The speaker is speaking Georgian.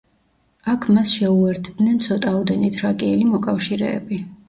აქ მას შეუერთდნენ ცოტაოდენი თრაკიელი მოკავშირეები.